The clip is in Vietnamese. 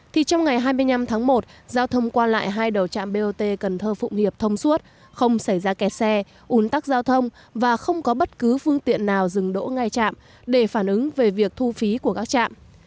thì trong ngày hai mươi năm tháng một giao thông qua lại hai đầu trạm bot cần thơ phụng hiệp thông suốt không xảy ra kẹt xe ủn tắc giao thông và không có bất cứ phương tiện nào dừng đỗ ngay chạm để phản ứng về việc thu phí của các trạm